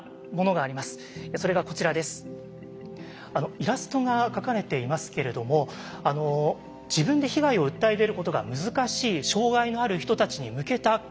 イラストが描かれていますけれども自分で被害を訴え出ることが難しい障害のある人たちに向けた工夫なんです。